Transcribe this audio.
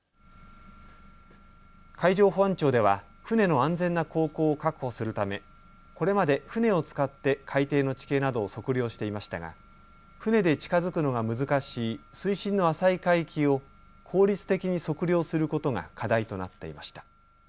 海上保安庁では船の安全な航行を確保するためこれまで船を使って海底の地形などを測量していましたが、船で近づくのが難しい水深の浅い海域を効率的に測量することが課題となっていました。